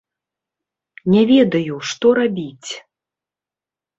Не ведаю, што рабіць.